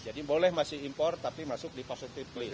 jadi boleh masih import tapi masuk di positive place